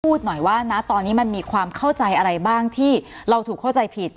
พูดหน่อยว่านะตอนนี้มันมีความเข้าใจอะไรบ้างที่เราถูกเข้าใจผิด